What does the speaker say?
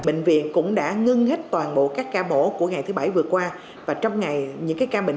bệnh viện cũng đã ngưng hết toàn bộ các ca mổ của ngày thứ bảy vừa qua và trong ngày những ca bệnh